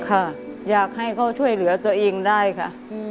ค่ะอยากให้เขาช่วยเหลือตัวเองได้ค่ะ